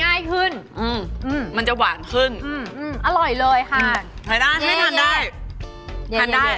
้านใจไม่ได้เยียด